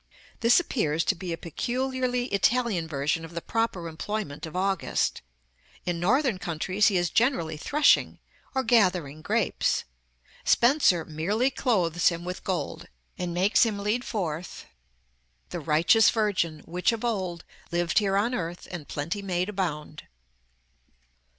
This appears to be a peculiarly Italian version of the proper employment of August. In Northern countries he is generally threshing, or gathering grapes. Spenser merely clothes him with gold, and makes him lead forth "the righteous Virgin, which of old Lived here on earth, and plenty made abound."